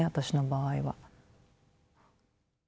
私の場合は。